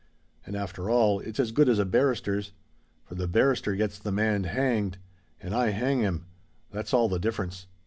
And, after all, it's as good as a barrister's; for the barrister gets the man hanged—and I hang him. That's all the difference."